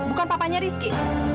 bukan papahnya rizky